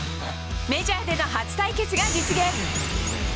メジャーでの初対決が実現。